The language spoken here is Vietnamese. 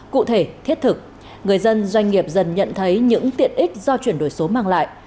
cụ thể thiết thực người dân doanh nghiệp dần nhận thấy những tiện ích do chuyển đổi số mang lại